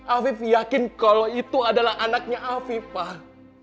aku yakin itu adalah anaknya aku pak